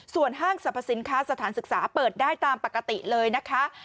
ส่วนห้างสรรพสินค้าสถานศึกษาเปิดได้ตามปกติเลยนะคะ